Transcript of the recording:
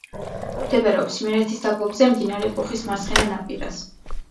მდებარეობს იმერეთის დაბლობზე, მდინარე კუხის მარცხენა ნაპირას.